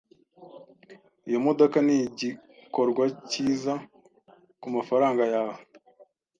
Iyo modoka nigikorwa cyiza kumafaranga yawe.